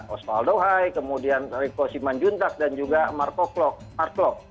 osvaldo hai kemudian rico simanjunta dan juga marco floch